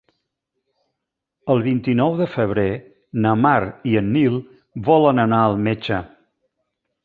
El vint-i-nou de febrer na Mar i en Nil volen anar al metge.